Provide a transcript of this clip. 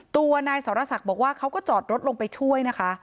ตัวนายสรศักดิ์บอกว่าเขาก็จอดรถลงไปช่วยนะคะ